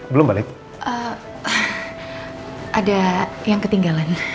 belum balik ada yang ketinggalan